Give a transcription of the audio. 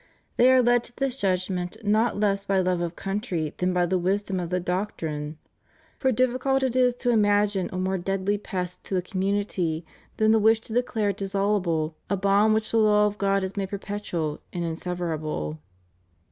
They are led to this judgment not less by love of country than by the wisdom of the doctrine. For difficult it is to imagine a more deadly pest to the community than the wish to declare dissoluble a bond which the law of God has made perpetual and inseverable.